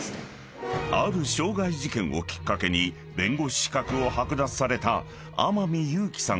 ［ある傷害事件をきっかけに弁護士資格を剥奪された天海祐希さん